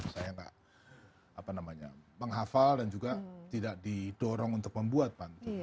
saya nggak apa namanya penghafal dan juga tidak didorong untuk membuat pantun